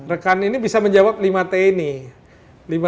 rekan ini bisa menjawab lima t ini